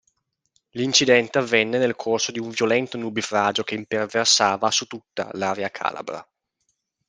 L'incidente avvenne nel corso di un violento nubifragio che imperversava su tutta l'area calabra.